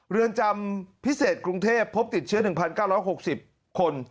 เรือนจำพิเศษกรุงเทพฯพบติดเชื้อหนึ่งพันเก้าร้อยหกสิบคน